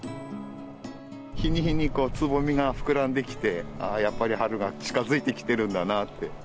日に日につぼみが膨らんできて、ああ、やっぱり春が近づいてきてるんだなって。